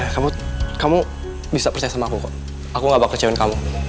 sampai jumpa di video selanjutnya